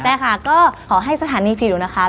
ได้ค่ะก็ขอให้สถานีผีดุนะคะ